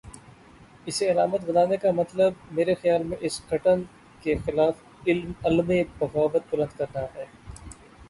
اسے علامت بنانے کا مطلب، میرے خیال میں اس گھٹن کے خلاف علم بغاوت بلند کرنا ہے۔